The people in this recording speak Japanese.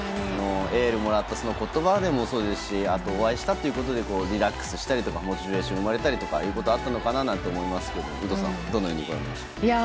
エールをもらって言葉でもそうですしあと、お会いしたということでリラックスしたとかモチベーションが生まれたりしたこともあったのかなと思いましたけど有働さん、どのようにご覧になりましたか。